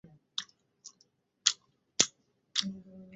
অবশ্যই আমি খুশি।